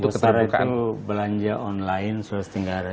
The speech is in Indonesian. bosara itu belanja online sulawesi tenggara